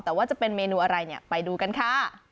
แต่ว่าจะเป็นเมนูอะไรเนี่ยไปดูกันค่ะ